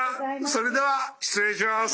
それでは失礼します」。